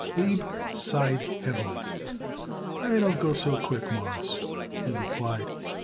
Abe sighed heavily. "It don't go so quick, Mawruss," he replied.